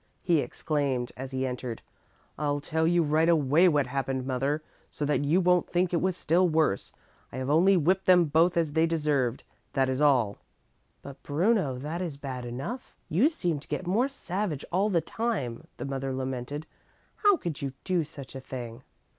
He exclaimed, as he entered, "I'll tell you right away what happened, mother, so that you won't think it was still worse. I have only whipped them both as they deserved, that is all." "But, Bruno, that is bad enough. You seem to get more savage all the time," the mother lamented. "How could you do such a thing?"